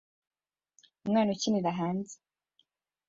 Umwana akinira hanze